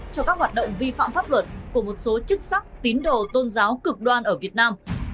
cho các hoạt động vi phạm pháp luật của một số chức sắc tín đồ tôn giáo cực đoan ở việt nam